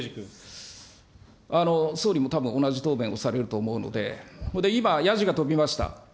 総理もたぶん、同じ答弁をされると思うので、今、やじが飛びました。